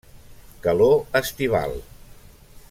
Calor estival.